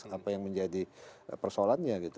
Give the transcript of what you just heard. apa yang menjadi persoalannya gitu